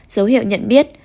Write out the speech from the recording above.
dấu hiệu nhận biết